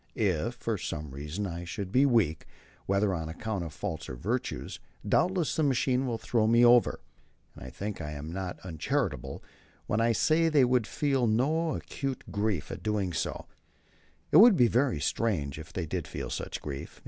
If for some reason I should be weak, whether on account of faults or virtues, doubtless the machine will throw me over, and I think I am not uncharitable when I say they would feel no acute grief at so doing. It would be very strange if they did feel such grief.